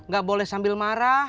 gak boleh sambil marah